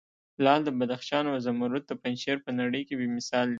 لعل د بدخشان او زمرود د پنجشیر په نړې کې بې مثال دي.